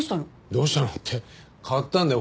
どうしたのって買ったんだよ